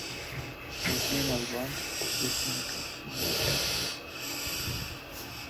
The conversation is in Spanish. Nació en Albalate de Cinca, en Huesca.